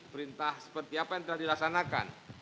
perintah seperti apa yang telah dilaksanakan